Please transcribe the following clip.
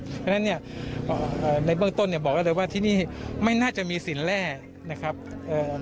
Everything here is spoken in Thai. เพราะฉะนั้นเนี่ยในเบื้องต้นเนี่ยบอกได้เลยว่าที่นี่ไม่น่าจะมีสินแร่นะครับเอ่อ